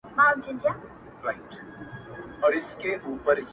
صبر وکړه لا دي زمانه راغلې نه ده,